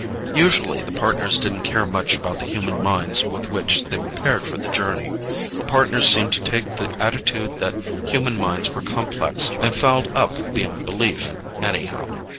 Usually the Partners didn't care much about the human minds with which they were paired for the journey. The Partners seemed to take the attitude that human minds were complex and fouled up beyond belief, anyhow.